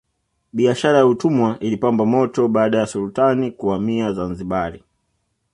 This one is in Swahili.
biashara ya utumwa ilipamba moto baada ya sultani kuhamia zanzibar